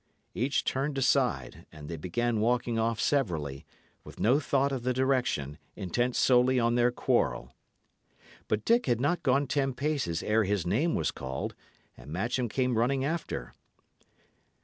Each turned aside, and they began walking off severally, with no thought of the direction, intent solely on their quarrel. But Dick had not gone ten paces ere his name was called, and Matcham came running after.